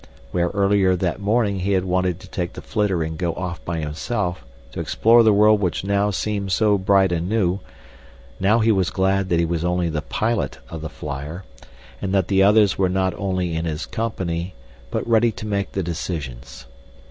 Where earlier that morning he had wanted to take the flitter and go off by himself to explore the world which seemed so bright and new, now he was glad that he was only the pilot of the flyer and that the others were not only in his company but ready to make the decisions.